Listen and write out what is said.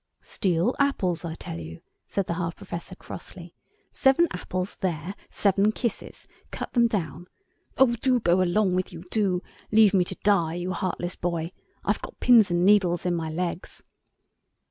"Steal apples I tell you," said the half Professor, crossly; "seven apples—there—seven kisses. Cut them down. Oh go along with you, do. Leave me to die, you heartless boy. I've got pins and needles in my legs."